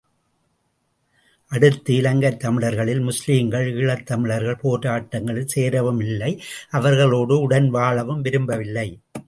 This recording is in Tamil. அடுத்து, இலங்கைத் தமிழர்களில் முஸ்லீம்கள், ஈழத் தமிழர்கள் போராட்டங்களில் சேரவும் இல்லை அவர்களோடு உடன் வாழவும் விரும்பவில்லை.